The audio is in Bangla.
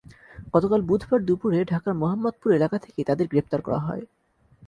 গতকাল বুধবার দুপুরে ঢাকার মোহাম্মদপুর এলাকা থেকে তাঁদের গ্রেপ্তার করা হয়।